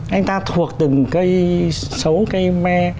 anh ta thuộc từng cây sấu cây me